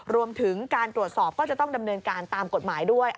รวมถึงการตรวจสอบก็จะต้องดำเนินการตามกฎหมายด้วย